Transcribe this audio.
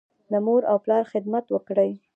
د مور او پلار خدمت وکړئ.